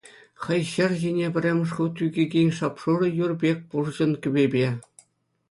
Хӑй ҫӗр ҫине пӗрремӗш хут ӳкекен шап-шурӑ юр пек пурҫӑн кӗпепе.